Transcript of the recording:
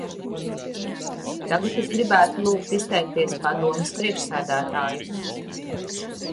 Tagad es gribētu lūgt izteikties Padomes priekšsēdētāju.